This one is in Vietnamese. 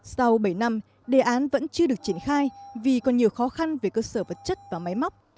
sau bảy năm đề án vẫn chưa được triển khai vì còn nhiều khó khăn về cơ sở vật chất và máy móc